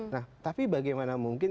nah tapi bagaimana mungkin